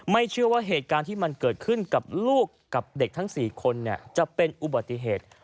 เชื่อว่าเหตุการณ์ที่มันเกิดขึ้นกับลูกกับเด็กทั้ง๔คนจะเป็นอุบัติเหตุ